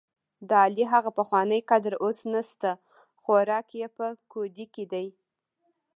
دعلي هغه پخوانی قدر اوس نشته، خوراک یې په کودي کې دی.